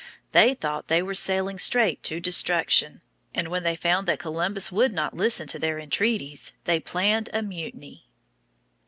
They thought they were sailing straight to destruction, and when they found that Columbus would not listen to their entreaties they planned a mutiny.